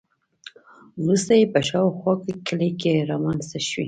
وروسته یې په شاوخوا کې کلي رامنځته شوي.